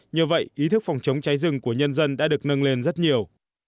nhờ vậy ý thức phòng chống cháy rừng của nhân dân đã được nâng lên rất nhiều